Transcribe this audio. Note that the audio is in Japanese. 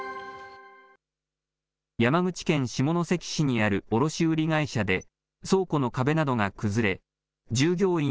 山口県下関市にある卸売会社で、倉庫の壁などが崩れ、従業員